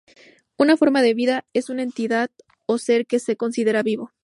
Una forma de vida, es una entidad o ser que se considera vivo.